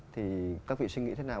thì các vị suy nghĩ thế nào